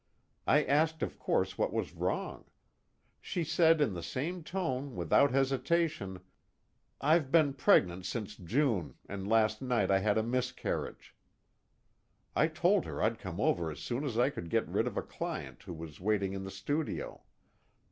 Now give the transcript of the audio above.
I asked of course what was wrong. She said in the same tone, without hesitation: 'I've been pregnant since June and last night I had a miscarriage.' I told her I'd come over as soon as I could get rid of a client who was waiting in the studio.